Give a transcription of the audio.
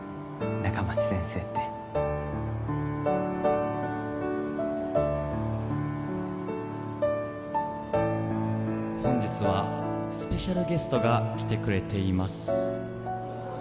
仲町先生って本日はスペシャルゲストが来てくれています